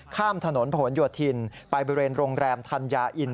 ข้ามถนนผนโยธินไปบริเวณโรงแรมธัญญาอิน